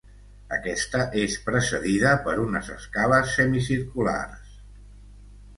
Aquesta és precedida per unes escales semicirculars.